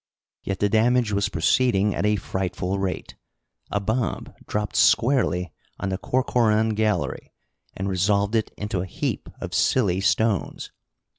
Yet the damage was proceeding at a frightful rate. A bomb dropped squarely on the Corcoran Gallery and resolved it into a heap of silly stones.